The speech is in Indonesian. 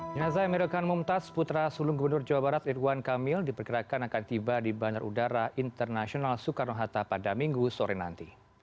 jenazah emeril khan mumtaz putra sulung gubernur jawa barat irwan kamil diperkirakan akan tiba di bandar udara internasional soekarno hatta pada minggu sore nanti